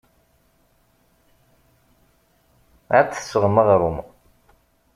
Ad d-tesɣem aɣrum.